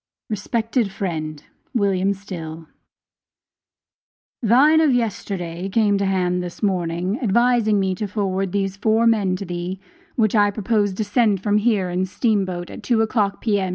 RESPECTED FRIEND: WILLIAM STILL: Thine of yesterday, came to hand this morning, advising me to forward those four men to thee, which I propose to send from here in the steam boat, at two o'clock, P.M.